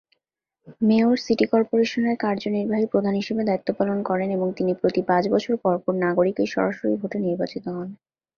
Mayor city কর্পোরেশনের কার্যনির্বাহী প্রধান হিসাবে দায়িত্ব পালন করেন এবং তিনি প্রতি পাঁচ বছর পরপর নাগরিকের সরাসরি ভোটে নির্বাচিত হন।